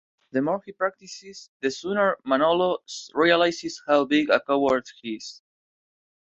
The more he practices, the sooner Manolo realizes how big a coward he is.